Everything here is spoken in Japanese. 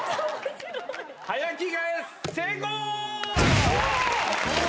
早着替え、成功！